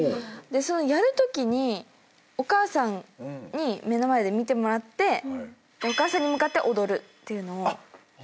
やるときにお母さんに目の前で見てもらってお母さんに向かって踊るっていうのをやってました。